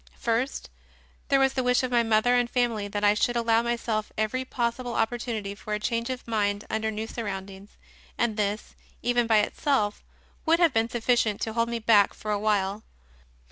First, there was the wish of my mother and family that I should allow myself every possible opportunity for a change of mind under new surroundings, and this, even, by itself, would have been sufficient to hold me back for a while.